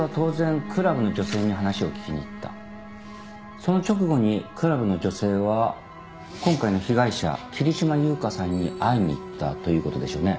その直後にクラブの女性は今回の被害者桐島優香さんに会いに行ったということでしょうね。